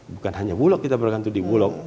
bukan hanya bulog kita bergantung di bulog